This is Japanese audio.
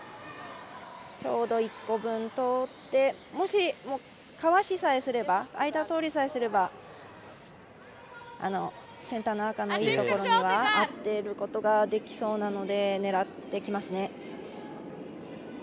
ちょうど１個分通ってもし、かわしさえすれば間、通りさえすればセンターの赤のいいところには当てることができそうなので、狙ってきますね。